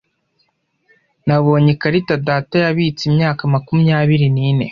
Nabonye ikarita data yabitse imyaka makumyabiri nine